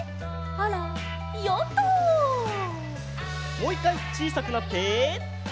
もう１かいちいさくなって。